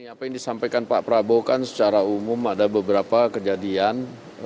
apa yang disampaikan pak prabowo kan secara umum ada beberapa kejadian